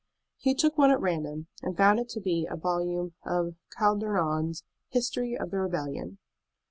He took one at random, and found it to be a volume of Clarendon's "History of the Rebellion."